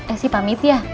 eh si pamit ya